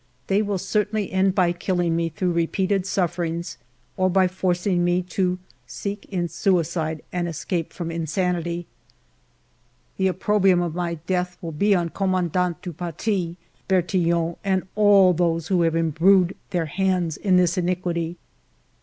They will certainly end by killing me through repeated sufferings or by forcing me to seek in suicide an escape from insanity. The oppro brium of my death will be on Commandant du Paty, Bertillon, and all those who have imbrued their hands in this iniquity.